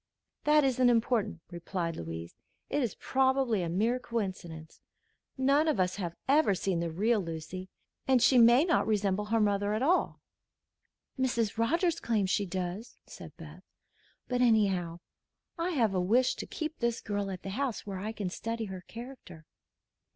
"That isn't important," replied Louise. "It is probably a mere coincidence. None of us have ever seen the real Lucy, and she may not resemble her mother at all." "Mrs. Rogers claims she does," said Beth. "But anyhow, I have a wish to keep this girl at the house, where I can study her character."